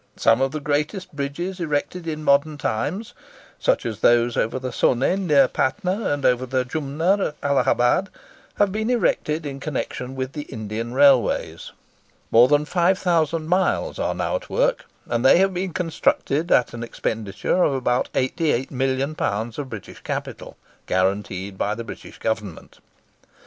Some of the greatest bridges erected in modern times—such as those over the Sone near Patna, and over the Jumna at Allahabad—have been erected in connection with the Indian railways. More than 5000 miles are now at work, and they have been constructed at an expenditure of about £88,000,000 of British capital, guaranteed by the British Government.